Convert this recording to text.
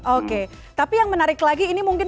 oke tapi yang menarik lagi ini mungkin